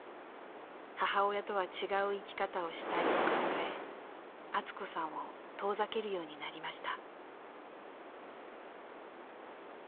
母親とは違う生き方をしたいと考えアツ子さんを遠ざけるようになりました。